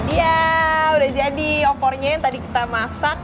dia udah jadi opornya yang tadi kita masak